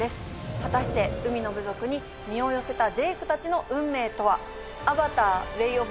果たして海の部族に身を寄せたジェイクたちの運命とは？